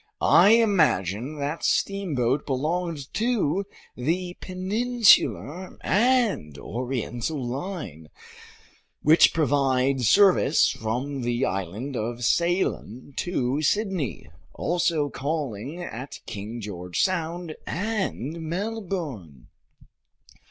I imagine that steamboat belonged to the Peninsular & Oriental line, which provides service from the island of Ceylon to Sydney, also calling at King George Sound and Melbourne.